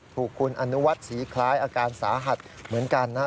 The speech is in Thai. ถูกคุณอนุวัฒน์ศรีคล้ายอาการสาหัสเหมือนกันนะฮะ